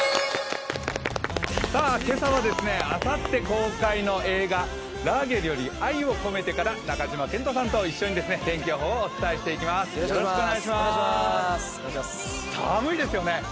今朝はあさって公開の映画「ラーゲリより愛を込めて」から中島健人さんと一緒に天気予報をお伝えしていきます。